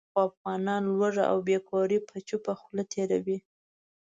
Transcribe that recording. خو افغانان لوږه او بې کوري په چوپه خوله تېروي.